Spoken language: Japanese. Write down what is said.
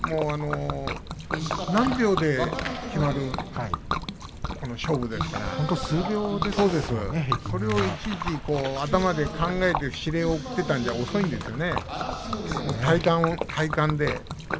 何秒で決まる勝負ですからそれをいちいち頭で考えて司令を送っていたんじゃ遅いんですよね。